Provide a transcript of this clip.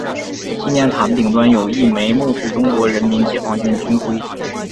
纪念塔的顶端有一枚木质中国人民解放军军徽。